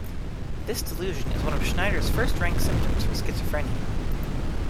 This delusion is one of Schneider's first rank symptoms for schizophrenia.